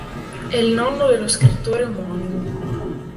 È il nonno dello scrittore omonimo.